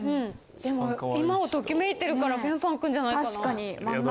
でも今をときめいてるからフェンファンくんじゃないかな。